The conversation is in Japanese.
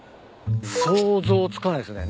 想像つかないっすね